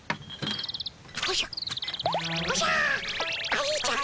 愛ちゃん